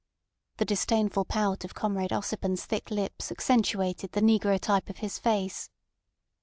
The disdainful pout of Comrade Ossipon's thick lips accentuated the negro type of his face.